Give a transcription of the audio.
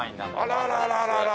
あららららら。